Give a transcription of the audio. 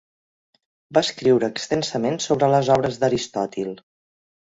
Va escriure extensament sobre les obres d'Aristòtil.